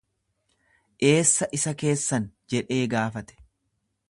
Eessa isa keessan? jedhee gaafate.